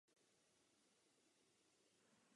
Jde o uznávaného producenta z Estonska.